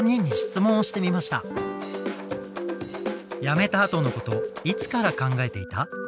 「やめた後のこといつから考えていた？」。